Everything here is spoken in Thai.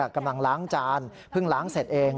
กำลังล้างจานเพิ่งล้างเสร็จเอง